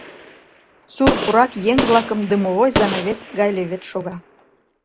Сур пурак еҥ-влакым дымовой занавес гай левед шога.